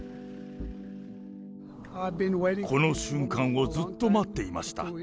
この瞬間をずっと待っていました。